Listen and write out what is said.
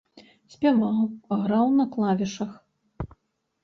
Спяваў, граў на клавішах.